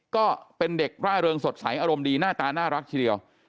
ก็เป็นเด็กร่าเริงสดใสอารมณ์ดีหน้าตาน่ารักทีเดียว